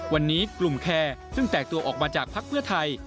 วันนี้กลุ่มแคร์ซึ่งแตกตัวออกมาจากภักดิ์เพื่อไทย